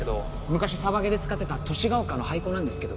昔サバゲーで使ってた寿ヶ丘の廃校なんですけど。